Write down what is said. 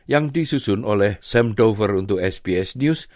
yang disusun oleh sam dover untuk sbs news